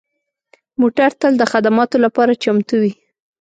موټر تل د خدماتو لپاره چمتو وي.